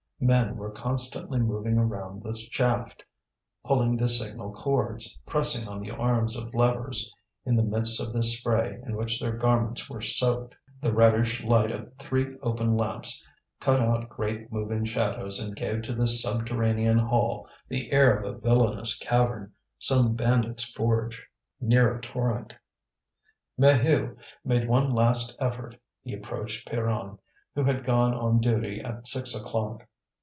Men were constantly moving around the shaft, pulling the signal cords, pressing on the arms of levers, in the midst of this spray in which their garments were soaked. The reddish light of three open lamps cut out great moving shadows and gave to this subterranean hall the air of a villainous cavern, some bandits' forge near a torrent. Maheu made one last effort. He approached Pierron, who had gone on duty at six o'clock.